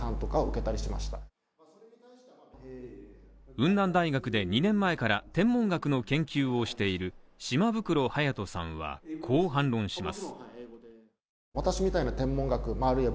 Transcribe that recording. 雲南大学で２年前から天文学の研究をしている島袋隼士さんはこう反論します